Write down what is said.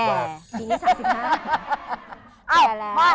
แก่ตีนี้๓๕แก่แล้ว